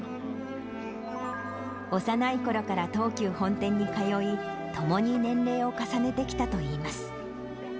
幼いころから東急本店に通い、ともに年齢を重ねてきたといいます。